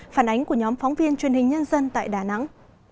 phản ánh của nhóm phóng viên truyền hình nhân dân tại đà nẵng